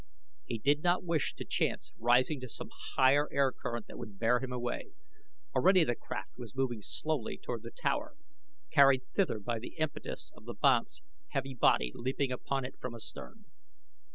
He did not wish to chance rising to some higher air current that would bear him away. Already the craft was moving slowly toward the tower, carried thither by the impetus of the banth's heavy body leaping upon it from astern.